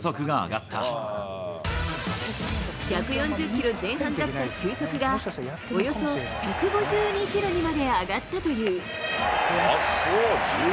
１４０キロ前半だった球速がおよそ１５２キロにまで上がったという。